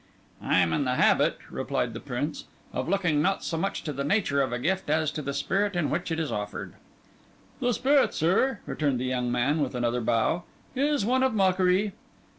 "I am in the habit," replied the Prince, "of looking not so much to the nature of a gift as to the spirit in which it is offered." "The spirit, sir," returned the young man, with another bow, "is one of mockery."